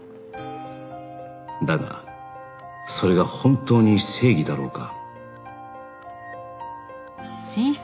だがそれが本当に正義だろうか